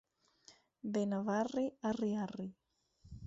Benavarri, arri, arri.